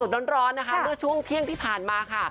ร้อนนะคะเมื่อช่วงเที่ยงที่ผ่านมาค่ะ